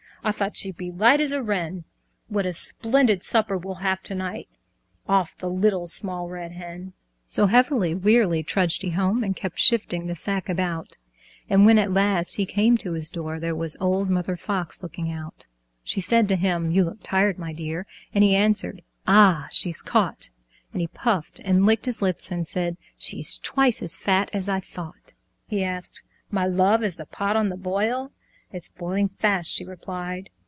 I thought she'd be light as a wren; What a splendid supper we'll have to night Off the Little Small Red Hen!" So heavily, wearily trudged he home, And kept shifting the sack about; And when at last he came to his door, There was old Mother Fox looking out. She said to him, "You look tired, my dear," And he answered, "Ah, she's caught!" And he puffed and licked his lips and said "She's twice as fat as I thought!" He asked, "My love, is the pot on the boil?" "It's boiling fast," she replied.